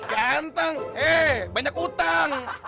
ganteng eh banyak utang